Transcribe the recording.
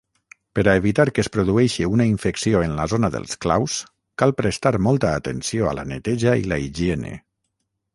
Per a evitar que es produeixi una infecció en la zona dels claus, cal prestar molta atenció a la neteja i la higiene.